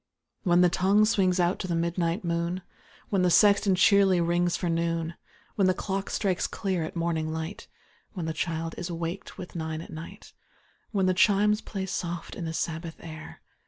When the tonirue swino;s out to the midnin; ht moon— When the sexton checrly rings for noon — When the clock strikes clear at morning light — When the child is waked with " nine at night" — When the chimes play soft in the Sabbath air.